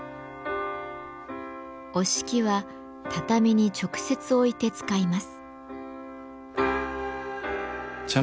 折敷は畳に直接置いて使います。